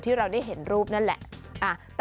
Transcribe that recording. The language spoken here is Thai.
ที่เราได้เห็นรูปนั่นแหละ